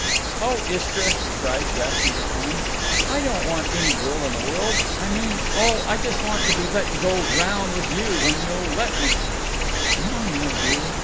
"Oh, Istra," he cried, grasping her arm, "I don't want any girl in the world—I mean—oh, I just want to be let go 'round with you when you'll let me—" "No, no, dear.